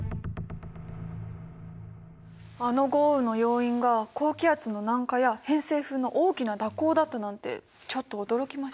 あの豪雨の要因が高気圧の南下や偏西風の大きな蛇行だったなんてちょっと驚きました。